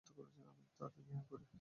আমি ওকে ঘৃণা করি।